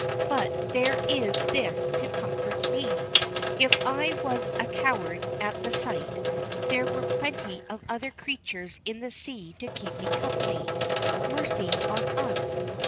But there is this to comfort me: if I was a coward at the sight, there were plenty of other creatures in the sea to keep me company. Mercy on us!